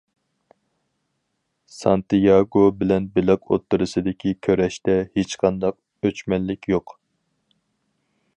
سانتىياگو بىلەن بېلىق ئوتتۇرىسىدىكى كۈرەشتە ھېچقانداق ئۆچمەنلىك يوق.